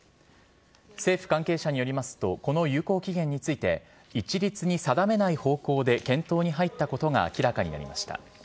政府関係者によりますとこの有効期限について一律に定めない方向で検討に入ったことが明らかになりました。